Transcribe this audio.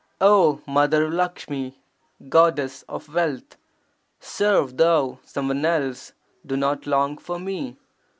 O Mother Lakshmi (Goddess of wealth), serve (thou) someone else; do not long for me.